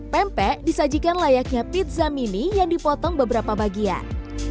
pempek disajikan layaknya pizza mini yang dipotong beberapa bagian